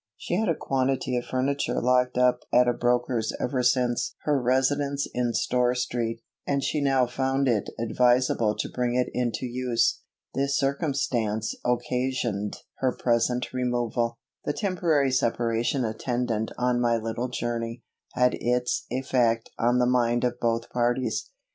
She had a quantity of furniture locked up at a broker's ever since her residence in Store street, and she now found it adviseable to bring it into use. This circumstance occasioned her present removal. The temporary separation attendant on my little journey, had its effect on the mind of both parties.